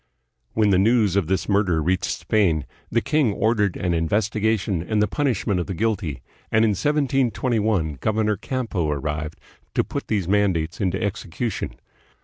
When the news of this murder reached Spain, the king ordered an investigation and the punishment of the guilty, and in 1721 Governor Campo arrived to put these man dates into execution.